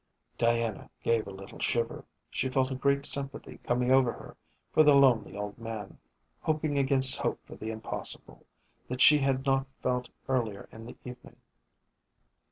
Diana gave a little shiver. She felt a great sympathy coming over her for the lonely old man, hoping against hope for the impossible, that she had not felt earlier in the evening.